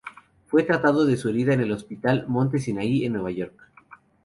Fue tratado de su herida en el Hospital Monte Sinaí en Nueva York.